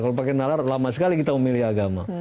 kalau pakai nalar lama sekali kita memilih agama